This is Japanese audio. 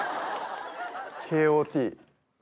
ＫＯＴ。